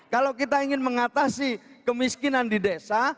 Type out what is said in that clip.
kalau kita ingin mengatasi kemiskinan di desa